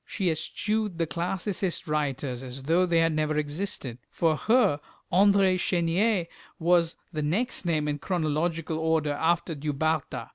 She eschewed the Classicist writers as though they had never existed. For her André Chenier was the next name in chronological order after Du Bartas.